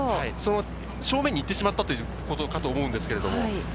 正面に行ってしまったということかと思うんですけど。